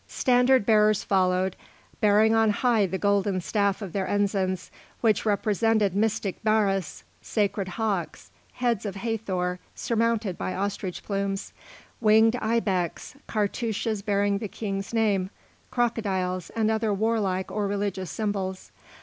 The standard bearers followed, bearing on high the golden staff of their ensigns, which represented mystic baris, sacred hawks, heads of Hathor surmounted by ostrich plumes, winged ibex, cartouches bearing the king's name, crocodiles, and other warlike or religious symbols.